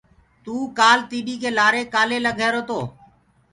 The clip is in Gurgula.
تو ڪآل تيڏي ڪي لآري ڪآلي لگرهيرو تو۔